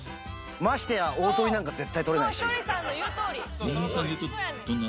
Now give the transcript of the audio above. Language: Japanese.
ましてや大トリなんか絶対取れないし。